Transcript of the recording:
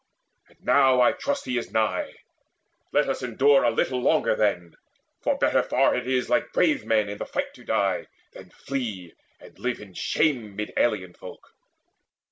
And now, I trust, he is nigh. Let us endure A little longer then; for better far It is like brave men in the fight to die Than flee, and live in shame mid alien folk."